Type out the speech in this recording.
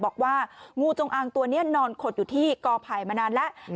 บอกว่างูจงอางตัวนี้นอนขดอยู่ที่กอไผ่มานานแล้ว